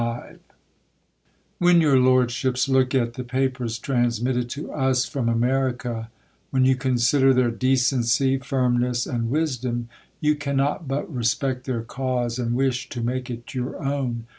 f\/^HEN your lordships look at the papers trans^ ^^ mitted to us fi'om America ; when you con sider their decency, firmness, and wisdom, you cannot but respect their cause, and wish to make it your own.